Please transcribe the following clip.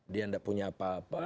dia tidak punya apa apa